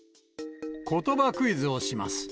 ことばクイズをします。